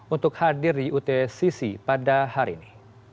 untuk hadir di ut sisi pada hari ini